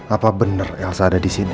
apa bener elsa ada disini